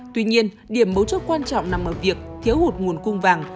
tuy nhiên điểm mấu chốt quan trọng nằm ở việc thiếu hụt nguồn cung vàng